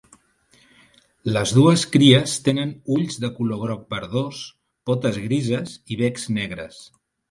Les dues cries tenen ulls de color groc verdós, potes grises i becs negres.